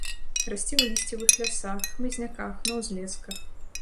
Расце ў лісцевых лясах, хмызняках, на ўзлесках.